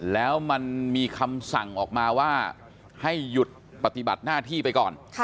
แล้วมันมีคำสั่งออกมาว่าให้หยุดปฏิบัติหน้าที่ไปก่อน